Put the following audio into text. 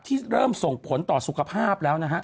ที่เริ่มส่งผลต่อสุขภาพแล้วนะฮะ